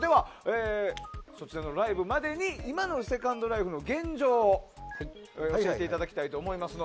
では、そちらのライブまでに今のセカンドライフの現状を教えていただきたいと思います。